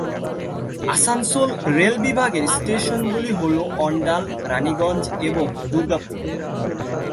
Asansol rail বিভাগের স্টেশনগুলি হল অণ্ডাল, রাণীগঞ্জ এবং দুর্গাপুর।